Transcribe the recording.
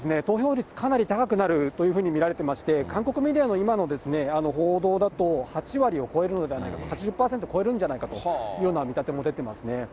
投票率かなり高くなるというふうに見られていまして、韓国メディアの今の報道だと８割を超えるのではないかと、８０％超えるんじゃないかというような見立ても出ていますね。